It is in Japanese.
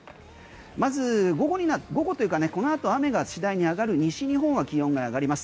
まず午後、午後というかこのあと雨が次第に上がる西日本は気温が上がります。